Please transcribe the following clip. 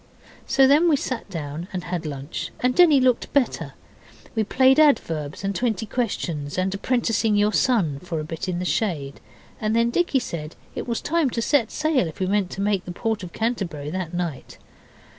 So then we sat down and had lunch, and Denny looked better. We played adverbs, and twenty questions, and apprenticing your son, for a bit in the shade, and then Dicky said it was time to set sail if we meant to make the port of Canterbury that night.